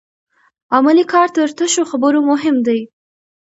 عملي کار تر تشو خبرو مهم دی.